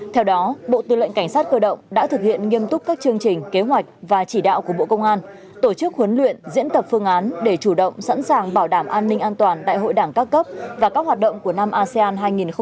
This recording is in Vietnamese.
theo đó bộ tư lệnh cảnh sát cơ động đã thực hiện nghiêm túc các chương trình kế hoạch và chỉ đạo của bộ công an tổ chức huấn luyện diễn tập phương án để chủ động sẵn sàng bảo đảm an ninh an toàn đại hội đảng các cấp và các hoạt động của năm asean hai nghìn hai mươi